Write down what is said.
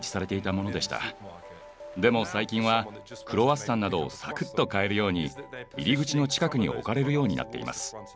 でも最近はクロワッサンなどをサクッと買えるように入り口の近くに置かれるようになっています。